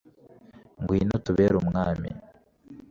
ngwino utubere umwami